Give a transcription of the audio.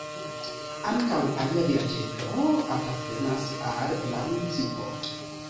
Ankaŭ alia vilaĝeto apartenas al la municipo.